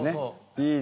いいね